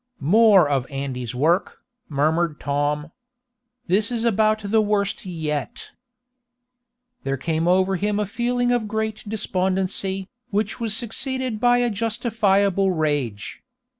"More of Andy's work," murmured Tom. "This is about the worst yet!" There came over him a feeling of great despondency, which was succeeded by a justifiable rage.